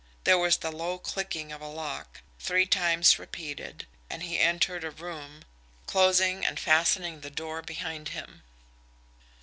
There was the low clicking of a lock, three times repeated, and he entered a room, closing and fastening the door behind him.